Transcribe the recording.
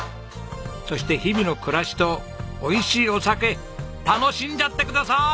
そして日々の暮らしとおいしいお酒楽しんじゃってください。